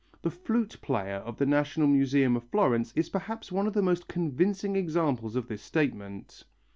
The Flute Player of the National Museum of Florence is perhaps one of the most convincing examples of this statement.